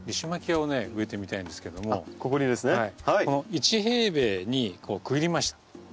１平米に区切りました。